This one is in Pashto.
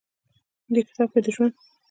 دې کتاب کښې د ژوند